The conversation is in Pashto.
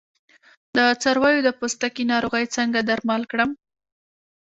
د څارویو د پوستکي ناروغۍ څنګه درمل کړم؟